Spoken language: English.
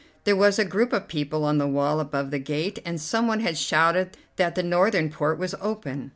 There was a group of people on the wall above the gate, and someone had shouted that the northern port was open.